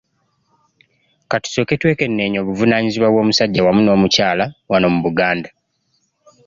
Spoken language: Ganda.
Ka tusooke twekenneenye obuvunaanyizibwa bw’omusajja wamu n’omukyala wano mu Buganda